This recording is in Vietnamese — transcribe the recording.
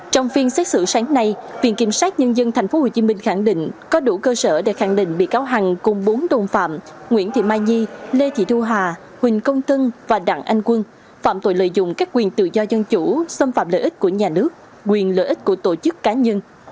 trong phiên xét xử sáng nay viện kiểm sát nhân dân tp hcm khẳng định có đủ cơ sở để khẳng định bị cáo hằng cùng bốn đồng phạm nguyễn thị mai nhi lê thị thu hà huỳnh công tân và đặng anh quân phạm tội lợi dụng các quyền tự do dân chủ xâm phạm lợi ích của nhà nước quyền lợi ích của tổ chức cá nhân